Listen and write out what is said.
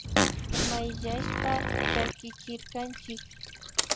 Mayllashpa chakichirkanchik